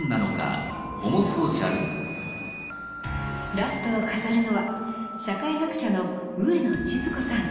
ラストを飾るのは社会学者の上野千鶴子さん。